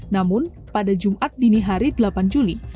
namun pada jumat dini hari delapan juli